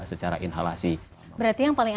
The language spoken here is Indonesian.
secara inhalasi berarti yang paling